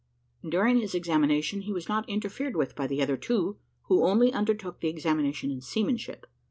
During his examination, he was not interfered with by the other two, who only undertook the examination in "seamanship."